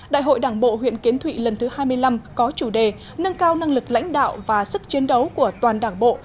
đại hội đảng bộ huyện kiến thụy lần thứ hai mươi năm có chủ đề nâng cao năng lực lãnh đạo và sức chiến đấu của toàn đảng bộ